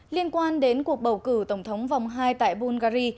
liên quan đến cuộc bầu cử tổng thống vòng hai tại bungary